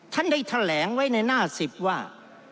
ท่านได้แถลงไว้ในหน้า๑๐ว่า